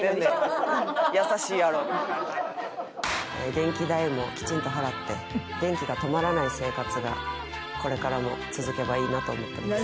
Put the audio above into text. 電気代もきちんと払って電気が止まらない生活がこれからも続けばいいなと思ってます。